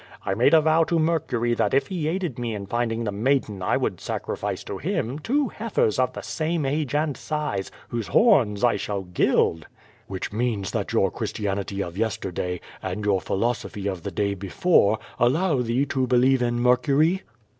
I made a vow to Mercury that if he aided me in finding the maiden I would sacrifice to him two heifers of the same age and size^ whose horns I shall gild.^' "Which means that your Christianity of yesterday, and your philosophy of the day before, allow thee to believe in Mercury?"